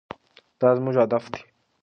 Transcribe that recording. دا زموږ هدف دی.